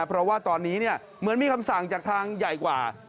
เพราะว่าตอนนี้เหมือนมีคำสั่งจากทางใหญ่กว่า